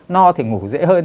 no thì ngủ dễ hơn